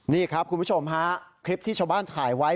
นี่ครับคุณผู้ชมฮะคลิปที่ชาวบ้านถ่ายไว้